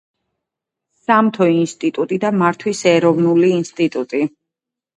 სამთო ინსტიტუტი და მართვის ეროვნული ინსტიტუტი.